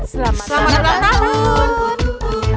selamat ulang tahun